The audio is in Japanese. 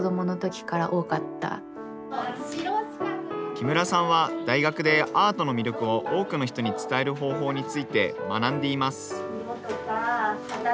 木村さんは大学でアートの魅力を多くの人に伝える方法について学んでいます